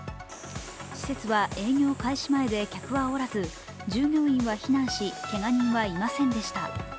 施設は営業開始前で客はおらず従業員は避難しけが人はいませんでした。